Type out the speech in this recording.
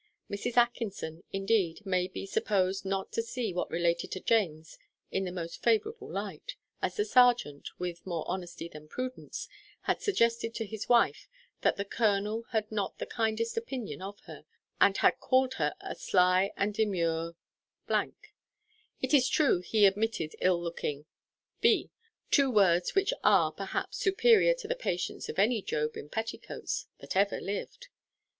Mrs. Atkinson, indeed, may be supposed not to see what related to James in the most favourable light, as the serjeant, with more honesty than prudence, had suggested to his wife that the colonel had not the kindest opinion of her, and had called her a sly and demure : it is true he omitted ill looking b ; two words which are, perhaps, superior to the patience of any Job in petticoats that ever lived.